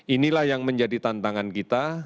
inilah yang menjadi tantangan kita